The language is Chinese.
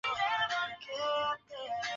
高山条蕨为条蕨科条蕨属下的一个种。